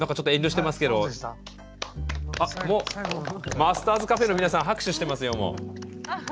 マスターズＣａｆｅの皆さん拍手してますよ。